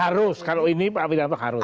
harus kalau ini pak pidato harus